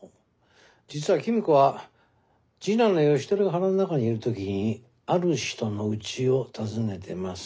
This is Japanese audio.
実は公子は次男の義輝が腹の中にいる時にある人のうちを訪ねてます。